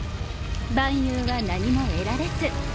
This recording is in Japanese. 「蛮勇は何も得られず」。